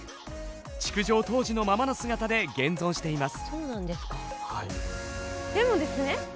築城当時のままの姿で現存しています。